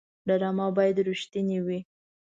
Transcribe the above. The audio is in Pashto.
ډرامه باید رښتینې وي